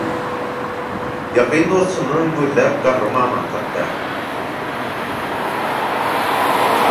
Ýakyn dost çyndanam gözläp garry mamamy tapýar